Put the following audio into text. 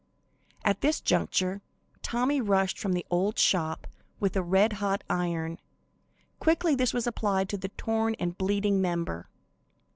At this juncture, Tommy rushed from the old shop with a red hot iron. Quickly this was applied to the torn and bleeding member.